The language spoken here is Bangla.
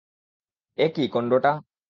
কী, এই কন্ডোটা?